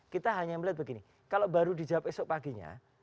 kita hanya melihat begini kalau baru dijawab esok paginya